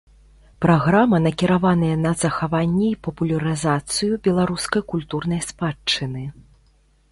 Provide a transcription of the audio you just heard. Праграма накіраваная на захаванне і папулярызацыю беларускай культурнай спадчыны.